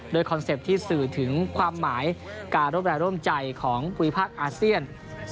โดยคอนเซ็ปต์ที่สื่อถึงความหมายการร่วมแรงร่วมใจของภูมิภาคอาเซียน